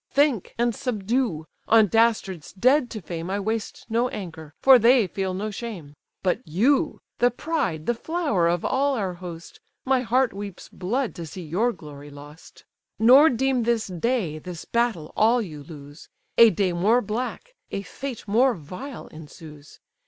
Think, and subdue! on dastards dead to fame I waste no anger, for they feel no shame: But you, the pride, the flower of all our host, My heart weeps blood to see your glory lost! Nor deem this day, this battle, all you lose; A day more black, a fate more vile, ensues.